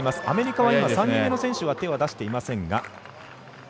アメリカは３人目の選手は手を出していませんが。